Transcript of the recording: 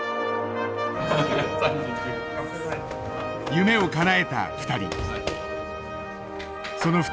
夢をかなえた２人。